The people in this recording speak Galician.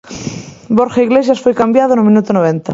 Borja Iglesias foi cambiado no minuto noventa.